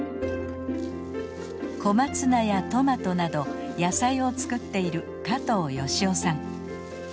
小松菜やトマトなど野菜を作っている加藤芳男さん。